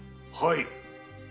はい。